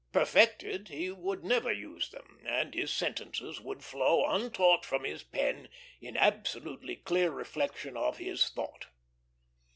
Perfected, he would never use them, and his sentences would flow untaught from his pen in absolutely clear reflection of his thought.